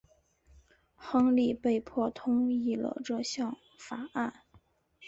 亨利被迫同意了这项法案。